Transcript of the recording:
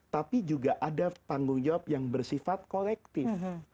tapi juga ada tanggung jawab yang bersifat kolektif